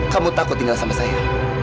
kamu takut tinggal sama saya